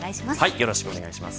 よろしくお願いします。